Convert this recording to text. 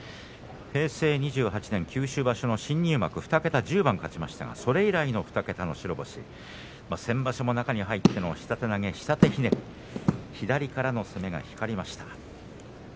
平成２８年九州場所の新入幕２桁１０番勝ちましたがそれ以来の２桁の白星先場所も中に入っての下手投げ下手ひねり左からの攻めが光りました。